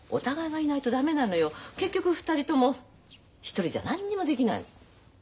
結局２人とも１人じゃ何にもできないの。